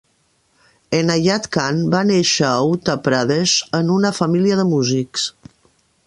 Enayat Khan va néixer a Uttar Pradesh en una família de músics.